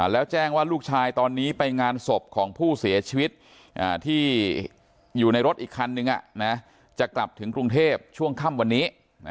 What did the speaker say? แล้วแจ้งว่าลูกชายตอนนี้ไปงานศพของผู้เสียชีวิตที่อยู่ในรถอีกคันนึงจะกลับถึงกรุงเทพช่วงค่ำวันนี้